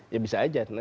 ya bisa saja